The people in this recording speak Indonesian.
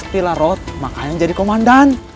bila road makanya jadi komandan